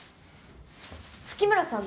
月村さん